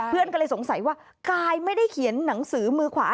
เพื่อนก็เลยสงสัยว่ากายไม่ได้เขียนหนังสือมือขวา